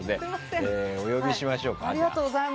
お呼びしましょう。